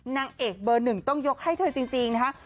นางเอกเบอร์หนึ่งต้องยกให้เธอจริงนะคะ